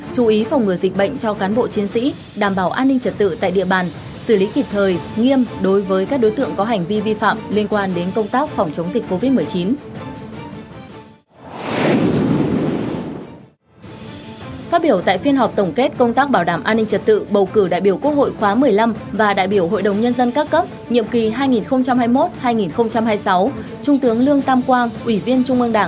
chú ý phòng ngừa dịch bệnh cho cán bộ chiến sĩ đảm bảo an ninh trật tự tại địa bàn xử lý kịp thời nghiêm đối với các đối tượng có hành vi vi phạm liên quan đến công tác phòng chống dịch covid một mươi chín